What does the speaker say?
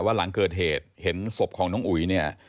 ว่าหลังเกิดเหตุเห็นศพของกระยานอุ๋ย